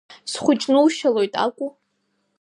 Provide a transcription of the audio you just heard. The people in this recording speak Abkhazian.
Схәыҷнушьалоит акәу?